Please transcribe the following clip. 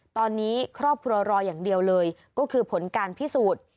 ตอนนี้ครอบครัวรออย่างเดียวเลยก็คือผลการพิสูจน์